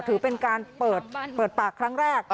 ถือเป็นการเปิดปากครั้งแรก